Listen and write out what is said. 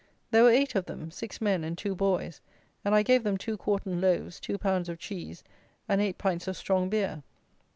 There were eight of them, six men and two boys; and I gave them two quartern loaves, two pounds of cheese, and eight pints of strong beer.